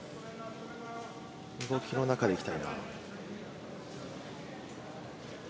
動きの中でいきたいな。